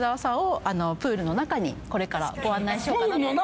これからご案内しようかなと。